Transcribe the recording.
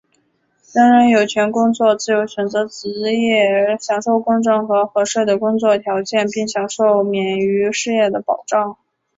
人人有权工作、自由选择职业、享受公正和合适的工作条件并享受免于失业的保障。